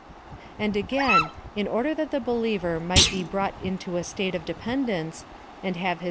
And, again, in order that the believer might be. brought into a state of dependence, and have hii?